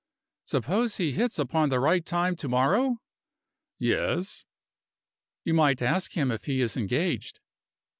"Suppose he hits upon the right time to morrow?" "Yes?" "You might ask him if he is engaged?"